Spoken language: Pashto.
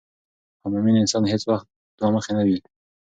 او مومن انسان هیڅ وخت دوه مخې نه وي